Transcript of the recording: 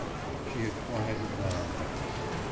« She had quieted down by now.